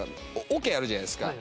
おけあるじゃないですか。